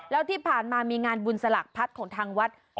แล้วที่ผ่านมามีงานบุญสลักพัดของทางวัด